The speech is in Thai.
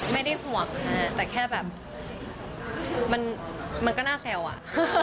ไม่ได้ห่วงค่ะแต่แค่แบบมันก็น่าแซวอ่ะ